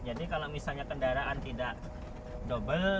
jadi kalau misalnya kendaraan tidak double